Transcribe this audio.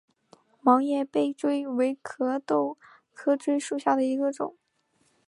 毛叶杯锥为壳斗科锥属下的一个种。